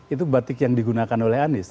itu batik yang digunakan oleh anies